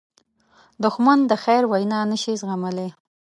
دښمن د خیر وینا نه شي زغملی